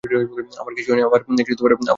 আমার কিছু হয়নি।